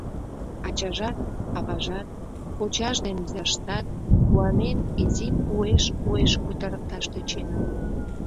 Ачажат, аважат, кочаж ден изаштат, куанен, изим уэш-уэш кутырыкташ тӧченыт.